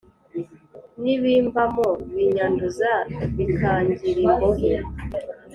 N’ibimbamo Binyanduza Bikangir’imbohe.